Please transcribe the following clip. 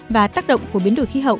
và tác động của biến đổi khí hậu